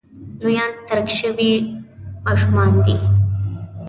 لویان ترک شوي ماشومان دي.